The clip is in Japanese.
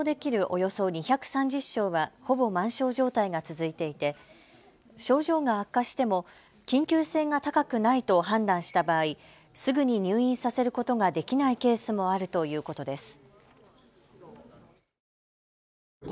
およそ２３０床はほぼ満床状態が続いていて症状が悪化しても緊急性が高くないと判断した場合すぐに入院させることができないケースもあるということです。